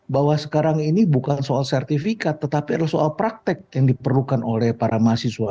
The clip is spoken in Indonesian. bahwa sekarang ini bukan soal sertifikat tetapi adalah soal praktek yang diperlukan oleh para mahasiswa